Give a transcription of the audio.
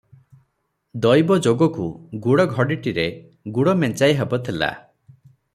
ଦୈବ ଯୋଗକୁଗୁଡ଼ ଘଡ଼ିଟିରେ ଗୁଡ଼ ମେଞ୍ଚାଏହବ ଥିଲା ।